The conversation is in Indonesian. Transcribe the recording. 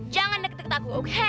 jangan deket deket aku oke